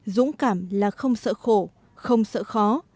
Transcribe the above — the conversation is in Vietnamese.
dũng cảm là không sợ khổ không sợ khó